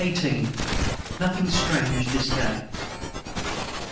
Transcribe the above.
] the 18. Nothing strange this day.